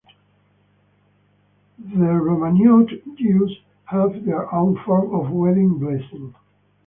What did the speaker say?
The Romaniote Jews have their own form of wedding blessing.